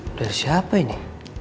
udah siapa ini